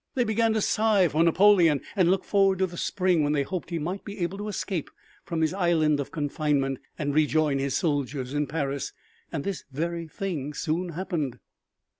They began to sigh for Napoleon and look forward to the spring when they hoped he might be able to escape from his island of confinement and rejoin his soldiers in Paris. And this very thing soon happened.